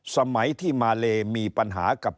สมัยที่มาเลมีปัญหากับ